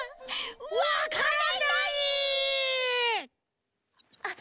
わからない！あっ。